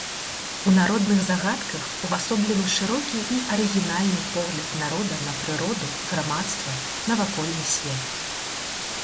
У народных загадках увасоблены шырокі і арыгінальны погляд народа на прыроду, грамадства, навакольны свет.